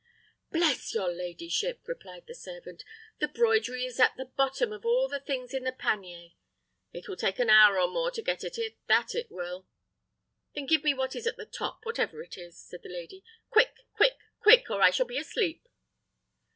"Bless your ladyship!" replied the servant, "the broidery is at the bottom of all the things in the pannier. It will take an hour or more to get at it; that it will." "Then give me what is at the top, whatever it is," said the lady; "quick! quick! quick! or I shall be asleep."